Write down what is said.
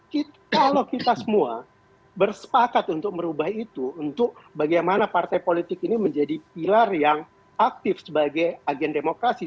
kalau kita semua bersepakat untuk merubah itu untuk bagaimana partai politik ini menjadi pilar yang aktif sebagai agen demokrasi